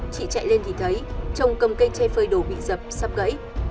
chị chạy lên thì thấy chồng cầm cây che phơi đồ bị dập sắp gãy